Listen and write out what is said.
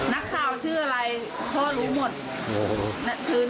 นักข่าวชื่ออะไรพ่อรู้หมดคือ